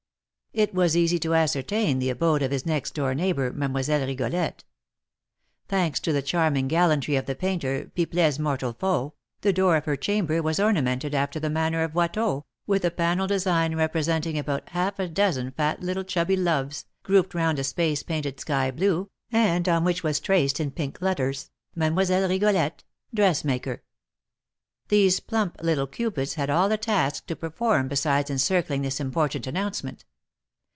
It was easy to ascertain the abode of his next door neighbour Mlle. Rigolette. Thanks to the charming gallantry of the painter, Pipelet's mortal foe, the door of her chamber was ornamented after the manner of Watteau, with a panel design representing about half a dozen fat little chubby Loves, grouped round a space painted sky blue, and on which was traced, in pink letters, "Mademoiselle Rigolette, Dressmaker." These plump little Cupids had all a task to perform besides encircling this important announcement.